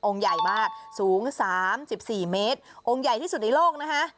ใหญ่มากสูง๓๔เมตรองค์ใหญ่ที่สุดในโลกนะคะ